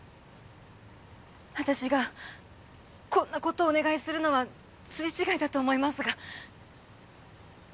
私がこんな事をお願いするのは筋違いだと思いますが。